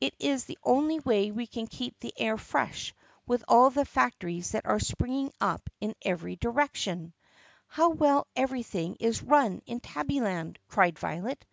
It is the only way we can keep the air fresh with all the factories that are springing up in every di rection." "How well everything is run in Tabbyland!" cried Violet.